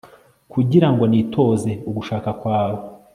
kugira ngo nitoze ugushaka kwawe